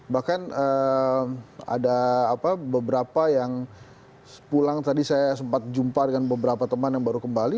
bahkan ada beberapa yang pulang tadi saya sempat jumpa dengan beberapa teman yang baru kembali